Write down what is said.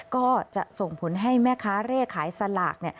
ก็จะส่งผลให้แม่ค้าเร่ขายสลาก